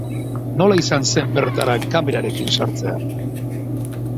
Nola izan zen bertara kamerarekin sartzea?